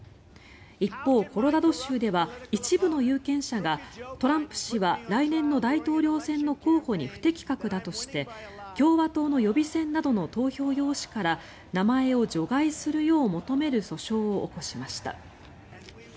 一方、コロラド州では一部の有権者がトランプ氏は来年の大統領選の候補に不適格だとして共和党の予備選などの投票用紙から名前を除外するよう求める訴訟を起こしました。